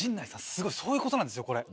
すごいそういう事なんですよこれ。